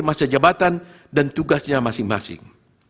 masa jabatan dan tugasnya masing masing